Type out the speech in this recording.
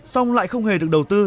xong lại không hề được đầu tư